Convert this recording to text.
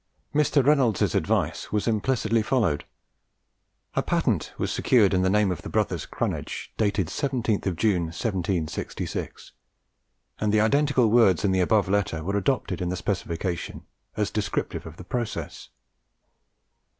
Mr. Reynolds's advice was implicitly followed. A patent was secured in the name of the brothers Cranege, dated the 17th June, 1766; and the identical words in the above letter were adopted in the specification as descriptive of the process.